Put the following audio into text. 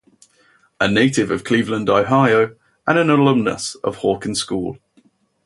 A native of Cleveland, Ohio and an alumnus of Hawken School.